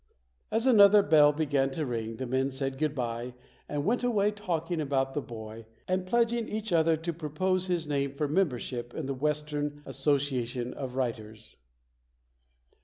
As another bell began to ring, the men said goodbye and went away talking about the boy and pledging each other to propose his name for membership in the Western Association of Writers.